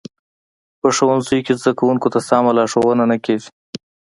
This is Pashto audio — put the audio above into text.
په ښوونځیو کې زده کوونکو ته سمه لارښوونه نه کیږي